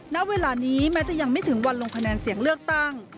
ณเวลานี้แม้จะยังไม่ถึงวันลงคะแนนเสียงเลือกตั้ง